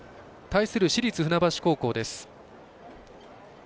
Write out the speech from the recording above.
対する市立船橋高校です。